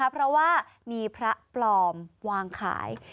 เพราะว่ามีพระปลอมวางขาย